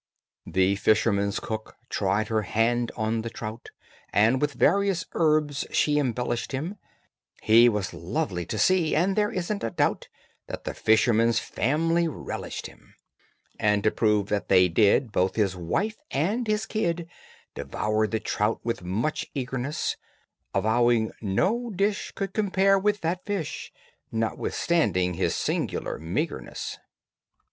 The fisherman's cook tried her hand on the trout And with various herbs she embellished him; He was lovely to see, and there isn't a doubt That the fisherman's family relished him, And, to prove that they did, both his wife and his kid Devoured the trout with much eagerness, Avowing no dish could compare with that fish, Notwithstanding his singular meagreness.